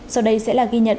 sau đây sẽ là ghi nhận